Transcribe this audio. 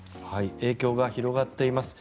影響が広がっています。